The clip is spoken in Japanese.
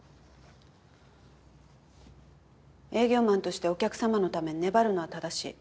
営業マンとしてお客様のために粘るのは正しい。